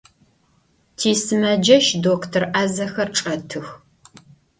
Tisımeceş doktor 'azexer çç'etıx.